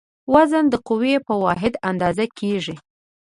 وزن د قوې په واحد اندازه کېږي.